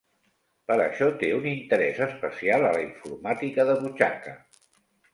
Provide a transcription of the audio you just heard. Per això té un interès especial a la informàtica de butxaca.